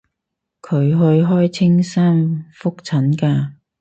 佢去開青山覆診㗎